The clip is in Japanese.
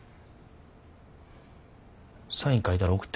サイン書いたら送って。